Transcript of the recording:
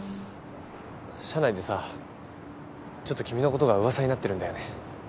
社内でさちょっと君のことが噂になってるんだよね。